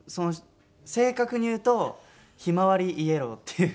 正確に言うとひまわりイエローっていう。